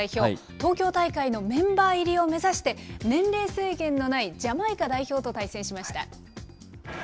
東京大会のメンバー入りを目指して、年齢制限のないジャマイカ代表と対戦しました。